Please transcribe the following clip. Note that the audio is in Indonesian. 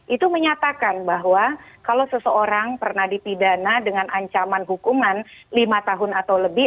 itu menyatakan bahwa kalau seseorang pernah dipidana dengan ancaman hukuman lima tahun atau lebih